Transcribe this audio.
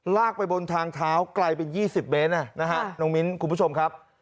ลากไปบนทางเท้าไกลเป็น๒๐เมตรนะฮะน้องมิ้นคุณผู้ชมครับ